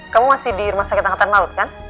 kamu masih di rumah sakit angkatan laut kan